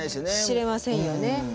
しれませんよね。